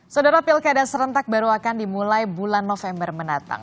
saudara pilkada serentak baru akan dimulai bulan november mendatang